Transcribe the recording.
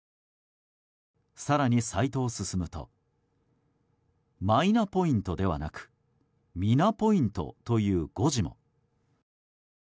更に、サイトを進むとマイナポイントではなく「ミナポイント」という誤字も。